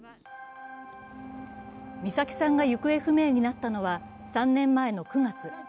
美咲さんが行方不明になったのは３年前の９月。